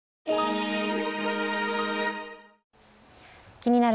「気になる！